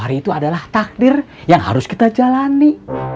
hari itu adalah takdir yang harus kita jalani